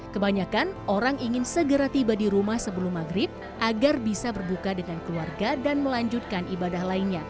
kebanyakan orang ingin segera tiba di rumah sebelum maghrib agar bisa berbuka dengan keluarga dan melanjutkan ibadah lainnya